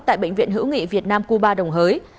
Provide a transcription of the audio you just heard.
tại bệnh viện hữu nghị việt nam cuba đồng hới